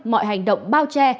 mọi hành động bao che